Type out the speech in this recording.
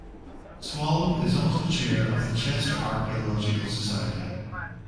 Swallow is also Chair of the Chester Archaeological Society.